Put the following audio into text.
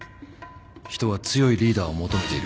人は強いリーダーを求めている。